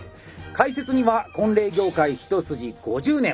解説には婚礼業界一筋５０年！